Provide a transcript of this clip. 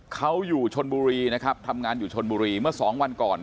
เขาอยู่ชนบุรีนะครับทำงานอยู่ชนบุรีเมื่อสองวันก่อน